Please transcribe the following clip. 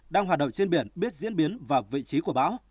đang hoạt động trên biển biết diễn biến và vị trí của bão